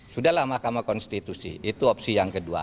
sudahlah mahkamah konstitusi itu opsi yang kedua